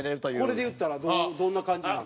これでいったらどんな感じなん？